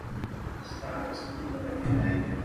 ګلالۍ د دسترخوان په سر د خیر او برکت دعا وکړه.